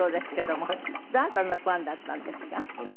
どなたのファンだったんですか？